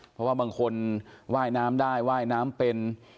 เพราะว่าบางคนว่ายน้ำได้ว่ายน้ำเป็น